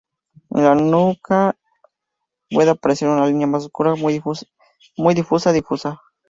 En la nuca puede aparecer una línea más oscura muy difusa difusa.